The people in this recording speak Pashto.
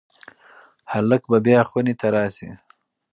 هلک به بیا خونې ته راشي.